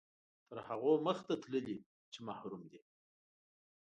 تر هغو مخته تللي چې محروم دي.